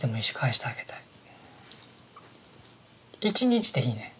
１日でいいねん。